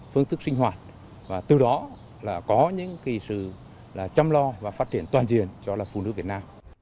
phương thức sinh hoạt và từ đó có những sự chăm lo và phát triển toàn diện cho phụ nữ việt nam